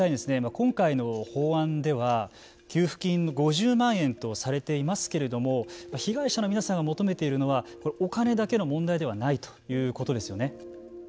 今回の法案では給付金、５０万円とされていますけれども被害者の皆さんが求めているのはお金だけの問題ではないということですよね。